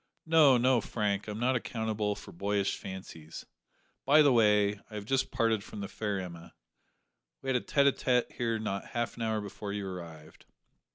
No, no, Frank, I'm not accountable for boyish fancies. By the way, I have just parted from the fair Emma. We had a tete a tete here not half an hour before you arrived."